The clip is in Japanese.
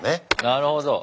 なるほど。